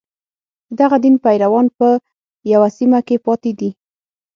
د دغه دین پیروان په یوه سیمه کې پاتې دي.